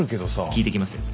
聞いてきますよ。